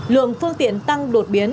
lượng phương tiện tăng đột biến